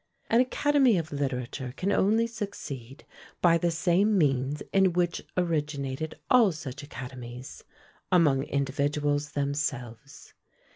An academy of literature can only succeed by the same means in which originated all such academies among individuals themselves.